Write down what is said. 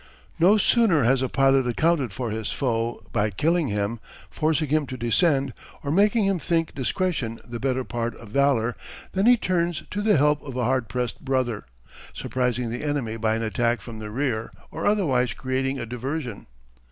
No sooner has a pilot accounted for his foe, by killing him, forcing him to descend, or making him think discretion the better part of valour, than he turns to the help of a hard pressed brother, surprising the enemy by an attack from the rear or otherwise creating a diversion.